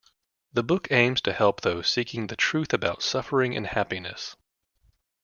The book aims to help those seeking the truth about suffering and happiness.